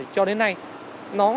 cho đến nay nó